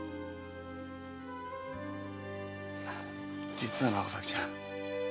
実はなあおさきちゃん。